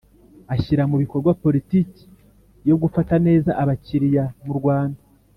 Ashyira mu bikorwa politiki yo gufata neza abakiriya mu rwanda